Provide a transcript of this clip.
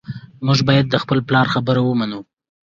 موږ باید د خپل پلار خبره ومنو